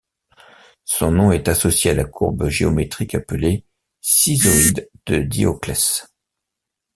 Son nom est associé à la courbe géométrique appelé Cissoïde de Dioclès.